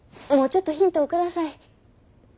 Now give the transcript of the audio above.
もうちょっとヒントをください。